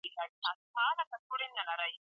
واری د قدرت له نشې مستو لېونیو دی؛